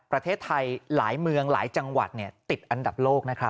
ประเทศไทยหลายเมืองหลายจังหวัดติดอันดับโลกนะครับ